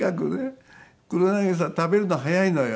黒柳さん食べるの早いのよ。